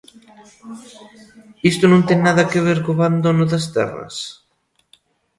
¿Isto non ten nada que ver co abandono das terras?